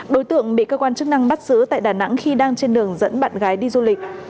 đối tượng bị cơ quan chức năng bắt giữ tại đà nẵng khi đang trên đường dẫn bạn gái đi du lịch